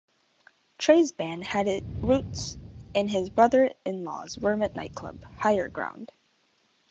Trey's band had it roots in his brother-in-law's Vermont nightclub, Higher Ground.